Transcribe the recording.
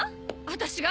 私が？